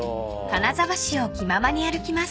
［金沢市を気ままに歩きます］